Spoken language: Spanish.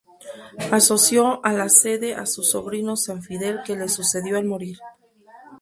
Asoció a la Sede a su sobrino San Fidel, que le sucedió al morir.